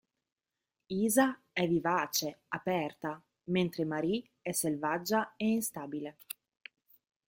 Isa è vivace, aperta, mentre Marie è selvaggia e instabile.